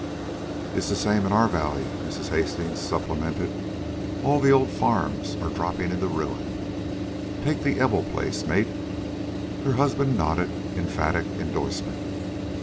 "It's the same in our valley," Mrs. Hastings supplemented. "All the old farms are dropping into ruin. Take the Ebell Place, Mate." Her husband nodded emphatic indorsement.